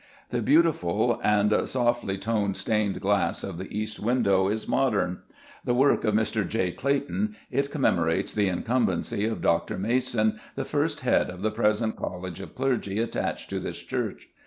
The beautiful and softly toned stained glass of the East window is modern. The work of Mr. J. Clayton, it commemorates the incumbency of Dr. Mason, the first Head of the present College of Clergy attached to this church.